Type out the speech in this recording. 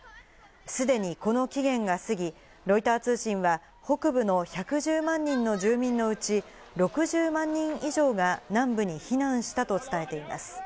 既にこの期限が過ぎ、ロイター通信は北部の１１０万人の住民のうち、６０万人以上が南部に避難したと伝えています。